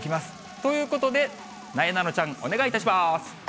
ということで、なえなのちゃん、お願いいたします。